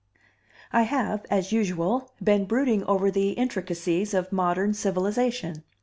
] I have, as usual, been brooding over the intricacies of modern civilization.